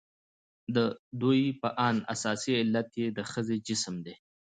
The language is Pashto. د ددوى په اند اساسي علت يې د ښځې جسم دى.